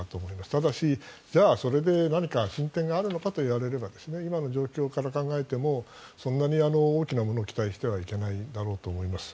ただしじゃあそれで何か進展があるのかといわれれば今の状況から考えてもそんなに大きなものを期待してはいけないだろうと思います。